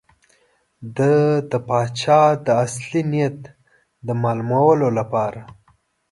ده د پاچا د اصلي نیت د معلومولو لپاره.